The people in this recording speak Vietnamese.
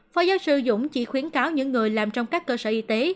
phó giáo sư dũng chỉ khuyến cáo những người làm trong các cơ sở y tế